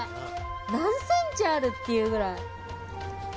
何センチある？っていうくらい。